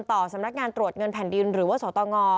ต่อสำนักงานตรวจเงินแผ่นดินหรือว่าสตง